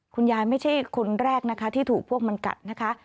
ไม่ใช่คนแรกนะคะที่ถูกพวกมันกัดนะคะ